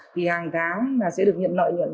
thì hàng tháng sẽ được nhận nợi nhuận